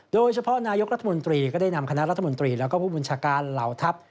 โดยเฉพาะนายกรัฐมนตรีก็ได้นำคณะรัฐมนตรีและผู้บุญชาการเหล่าทัพ